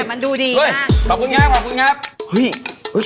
แต่มันดูดีมาก